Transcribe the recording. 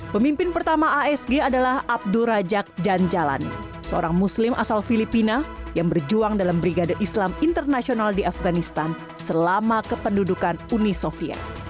pemimpin pertama asg adalah abdur rajak janjalani seorang muslim asal filipina yang berjuang dalam brigade islam internasional di afganistan selama kependudukan uni soviet